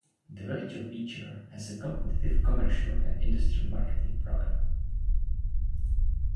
The Village of Beecher has a competitive commercial and industrial marketing program.